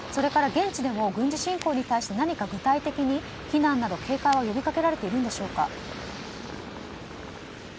現地でも軍事侵攻について何か具体的に避難など警戒は呼び掛けられているんでしょうか。